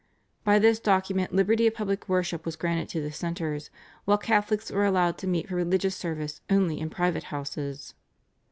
By this document liberty of public worship was granted to Dissenters, while Catholics were allowed to meet for religious service only in private houses.